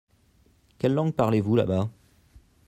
Quelle langue parlez-vous là-bas ?